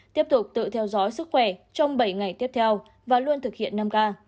tiếp tục tự theo dõi sức khỏe trong bảy ngày tiếp theo và luôn thực hiện năm k